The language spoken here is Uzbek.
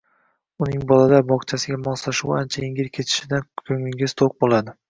uning bolalar bog‘chasiga moslashuvi ancha yengil kechishidan ko‘nglingiz to‘q bo‘ladi.